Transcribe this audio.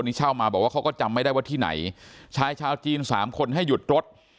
นี่เช่ามาบอกว่าเขาก็จำไม่ได้ว่าที่ไหนชายชาวจีนสามคนให้หยุดรถ